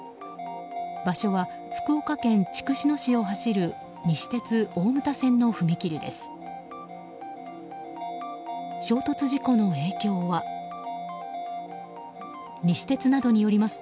場所は福岡県筑紫野市を走る西鉄大牟田線の踏切です。